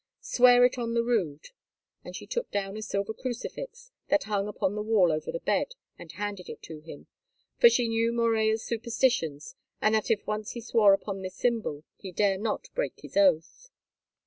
Swear it on the Rood." And she took down a silver crucifix that hung upon the wall over the bed and handed it to him. For she knew Morella's superstitions, and that if once he swore upon this symbol he dare not break his oath.